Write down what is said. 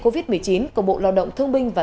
covid một mươi chín của bộ loa động thương minh và